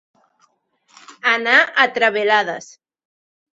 Anar a travelades.